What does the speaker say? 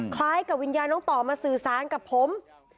คล้ายกับวิญญาณน้องต่อมาสื่อสารกับผม